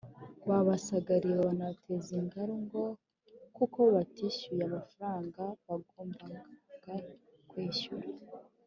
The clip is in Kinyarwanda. babasagariye banabateza ingaru ngo kuko batishyuye amafaranga bagombaga kwishyura